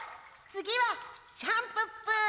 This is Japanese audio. つぎはシャンプっぷー！